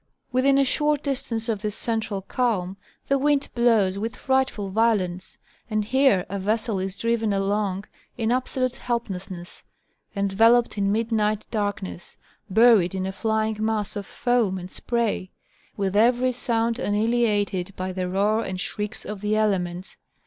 Within a short distance of this central calm the wind blows with frightful violence, and here a vessel is driven along in absolute helplessness, enveloped in midnight darkness, buried in a flying mass of foam and spray, with every sound annihilated by the roar and shrieks of the elements.